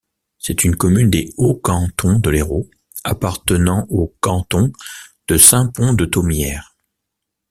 C'est une commune des Hauts cantons de l'Hérault, appartenant au canton de Saint-Pons-de-Thomières.